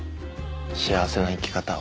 幸せな生き方を。